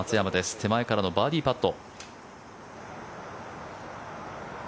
手前からのバーディーパット。